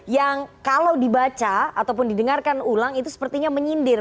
yang kalau dibaca ataupun didengarkan ulang itu sepertinya menyindir